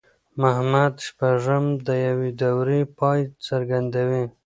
محمد شپږم د يوې دورې پای څرګندوي.